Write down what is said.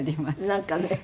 なんかね。